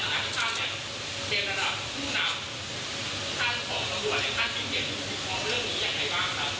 ในหลายค่าเนี่ยเป็นระดับผู้หนำท่านของส่วนตัวในท่านพิเศษของเรื่องนี้อย่างไหนบ้างครับ